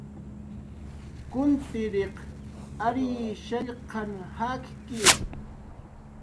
Kuntiriq ary shallqan jakki